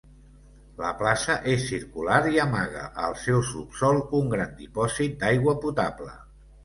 La plaça és circular i amaga al seu subsòl un gran dipòsit d'aigua potable.